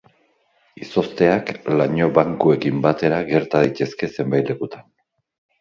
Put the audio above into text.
Izozteak laino bankuekin batera gerta daitezke zenbait lekutan.